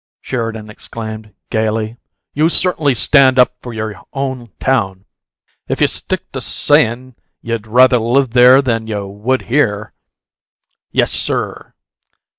Sheridan exclaimed, gaily. "You certainly stand up for your own town, if you stick to sayin' you'd rather live there than you would here. Yes, SIR!